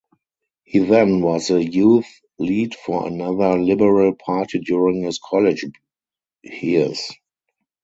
He then was the youth lead for another liberal party during his college hears.